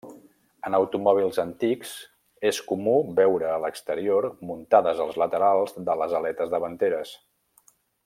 En automòbils antics, és comú veure a l'exterior, muntades als laterals de les aletes davanteres.